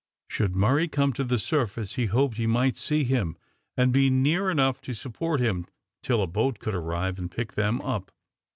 Should Murray come to the surface, he hoped he might see him and be near enough to support him, till a boat could arrive and pick them up.